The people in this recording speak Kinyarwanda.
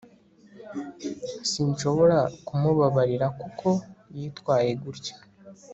sinshobora kumubabarira kuko yitwaye gutya